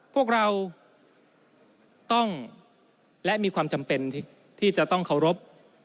พวกเราต้องและมีความจำเป็นที่จะต้องเคารพ